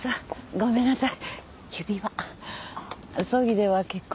ごめんなさい。